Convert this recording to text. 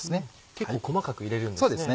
結構細かく入れるんですね。